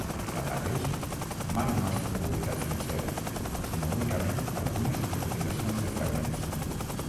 Tanmateix, mai no ha estat publicat sencer sinó únicament algunes recopilacions de fragments.